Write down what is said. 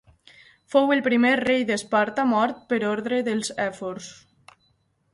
Fou el primer rei d'Esparta mort per ordre dels èfors.